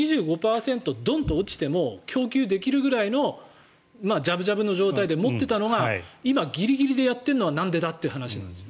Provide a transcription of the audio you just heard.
２５％ドンと落ちても供給できるぐらいのジャブジャブの状態で持っていたのが今、ギリギリでやっているのはなんでだという話なんです。